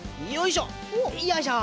よいしょ。